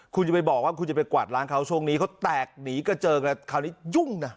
คุณจะไปบอกว่าคุณจะไปกวาดร้านเขาช่วงนี้เขาแตกหนีกระเจิงกันคราวนี้ยุ่งนะ